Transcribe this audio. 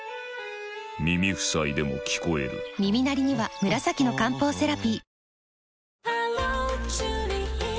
耳塞いでも聞こえる耳鳴りには紫の漢方セラピー